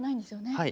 はい。